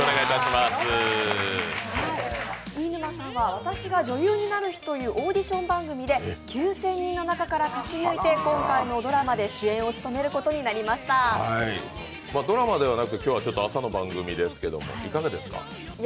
飯沼さんは『私が女優になる日』というオーディション番組で９０００人の中から勝ち抜いて今回のドラマで主演を務めることになりました。ドラマではなく今日は朝の番組ですけどいかがですか？